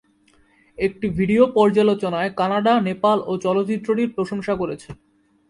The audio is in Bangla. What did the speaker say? একটি ভিডিও পর্যালোচনায় "কানাডা নেপাল"ও চলচ্চিত্রটির প্রশংসা করেছে।